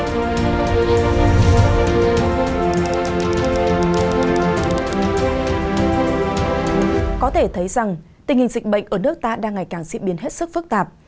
có thể thấy rằng tình hình dịch bệnh ở nước ta đang ngày càng diễn biến hết sức phức tạp